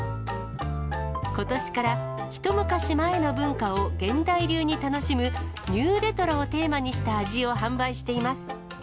ことしから一昔前の文化を現代流に楽しむ、ニューレトロをテーマにした味を販売しています。